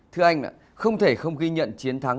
thưa anh không thể không ghi nhận chiến thắng